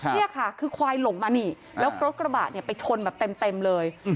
นี่ค่ะคือควายหลงมานี่แล้วรถกระบะเนี่ยไปชนแบบเต็มเลย